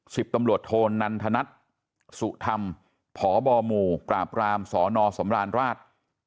สิบตำรวจโทนันทนัทสุธรรมพบหมู่ปราบรามสนสำราญราช